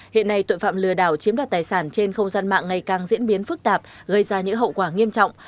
hiện nay tội phạm lừa đảo chiếm đoạt tài sản trên không gian mạng ngày càng diễn biến phức tạp gây ra những hậu quả nghiêm trọng